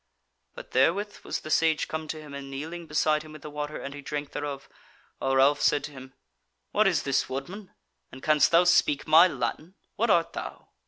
But therewith was the Sage come to him and kneeling beside him with the water, and he drank thereof, while Ralph said to him: "What is this woodman? and canst thou speak my Latin? What art thou?"